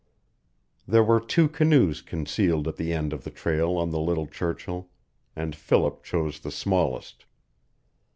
There were two canoes concealed at the end of the trail on the Little Churchill, and Philip chose the smallest.